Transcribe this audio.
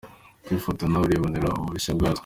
Ku ifoto na we uribonera ubushya bwazo.